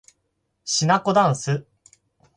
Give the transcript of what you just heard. しなこだんす